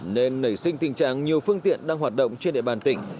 nên nảy sinh tình trạng nhiều phương tiện đang hoạt động trên địa bàn tỉnh